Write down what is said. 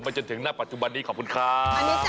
ไปจนถึงหน้าปัจจุบันนี้ขอบคุณค่า